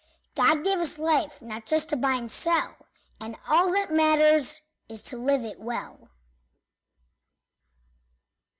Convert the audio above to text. God gave us life not just to buy and sell, And all that matters is to live it well.